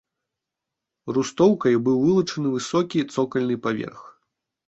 Рустоўкай быў вылучаны высокі цокальны паверх.